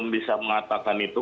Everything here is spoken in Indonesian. saya tidak bisa mengatakan itu